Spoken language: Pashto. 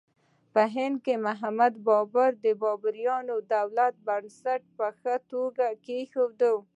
په هند کې محمد بابر د بابري دولت بنسټ په ښه توګه کېښود.